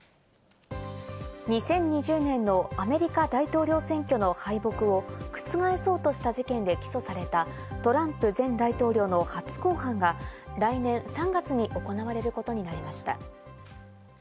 ２０２０年のアメリカ大統領選挙の敗北を覆そうとした事件で起訴されたトランプ前大統領の初公判が来年３月に行われることになりました。